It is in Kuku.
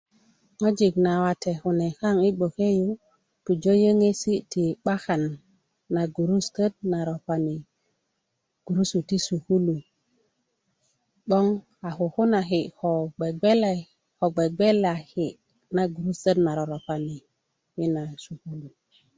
ŋwajik nawate kune kaŋ i gboke yu pujö yöŋisi' ti 'bakan na gurusutöt na ropani gurusu ti sukulu 'boŋ a kukunaki ko 'bge'bgelaki na gurusutöt na roropani i na sukulu